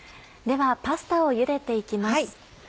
ではパスタをゆでて行きます。